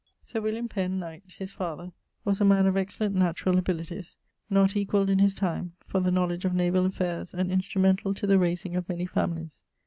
[Sir William Penn, knight,] his father, was a man of excellent naturall abilities, not equalled in his time for the knowledge of navall affayres and instrumentall to the raysing of many families.